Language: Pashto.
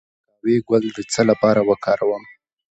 د قهوې ګل د څه لپاره وکاروم؟